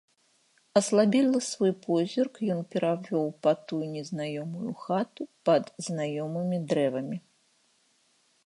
Аслабелы свой позірк ён перавёў па тую незнаёмую хату пад знаёмымі дрэвамі.